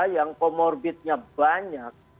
yang comorbidnya banyak